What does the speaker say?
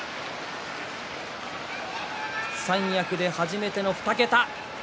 三役で初めての２桁。